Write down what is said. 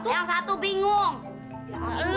yang satu bingung